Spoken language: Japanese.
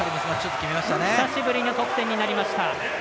久しぶりの得点になりました。